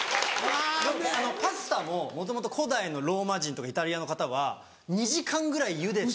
パスタももともと古代のローマ人とかイタリアの方は２時間ぐらいゆでて。